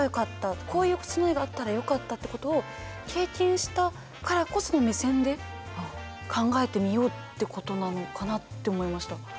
こういう備えがあったらよかったってことを経験したからこその目線で考えてみようってことなのかなって思いました。